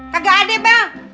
kagak ada bang